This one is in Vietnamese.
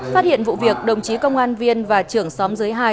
phát hiện vụ việc đồng chí công an viên và trưởng xóm dưới hai